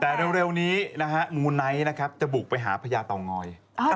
แต่เร็วนี้มูไนท์จะบุกไปหาพระยาต่องอย